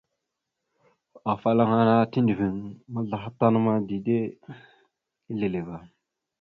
Afalaŋa tiɗəviŋ maslaha tan ma, dide isleva.